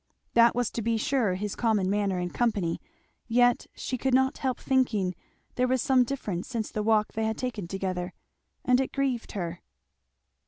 That was to be sure his common manner in company, yet she could not help thinking there was some difference since the walk they had taken together, and it grieved her.